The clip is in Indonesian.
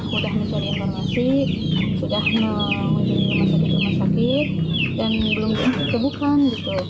sudah mencari informasi sudah mengunjungi rumah sakit rumah sakit dan belum ditemukan